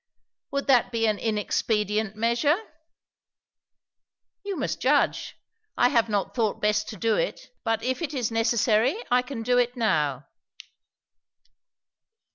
"Would that be an inexpedient measure?" "You must judge. I have not thought best to do it; but if it is necessary I can do it now."